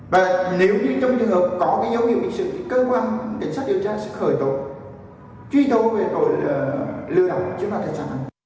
và nếu như trong trường hợp có cái dấu hiệu bị xử thì cơ quan chính sách điều tra sẽ khởi tội truy tố về tội lừa đọc chứ không phải thật xác